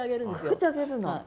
くくってあげるの？